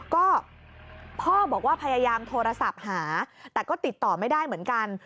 ก็พ่อบอกว่าพยายามโทรศัพท์หาแต่ก็ติดต่อไม่ได้เหมือนกัน